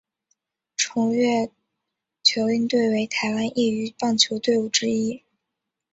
崇越隼鹰队为台湾业余棒球队伍之一。